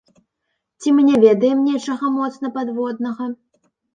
Ці мы не ведаем нечага моцна падводнага?